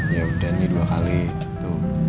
yaudah nih dua kali tuh